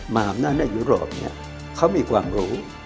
มหาวนาทยุโรปเขามีความรู้